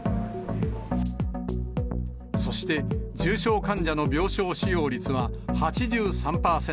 そして、重症患者の病床使用率は、８３％。